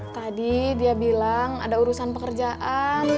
tadi dia bilang ada urusan pekerjaan